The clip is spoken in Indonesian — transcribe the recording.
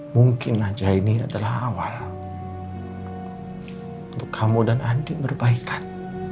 mungkin aja ini adalah awal untuk kamu dan andi berkaitan